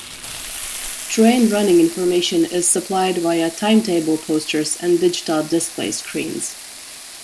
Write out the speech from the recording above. Train running information is supplied via timetable posters and digital display screens.